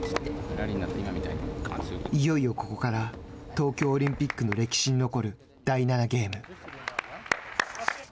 いよいよここから東京オリンピックの歴史に残る第７ゲーム。